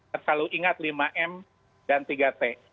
terlalu ingat lima m dan tiga t